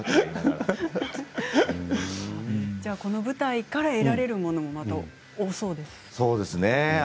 この舞台から得られることも多そうですか？